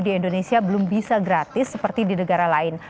di indonesia belum bisa gratis seperti di negara lain